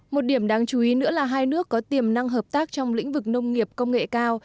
một điểm đáng chú ý nữa là hai nước có tiềm năng hợp tác trong lĩnh vực nông nghiệp công nghệ cao